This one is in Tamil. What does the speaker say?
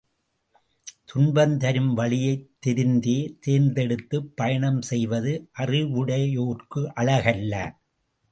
துன்பம் தரும் வழியை தெரிந்தே தேர்ந்தெடுத்துப் பயணம் செய்வது, அறிவுடையோர்க்கு அழகல்ல.